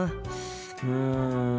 うん。